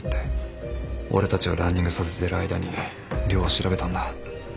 俺たちをランニングさせてる間に寮を調べたんだ。